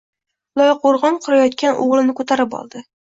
Loyqo‘rg‘on qurayotgan o‘g‘lini ko‘tarib oldi